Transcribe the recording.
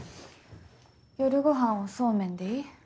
夜ご飯おそうめんでいい？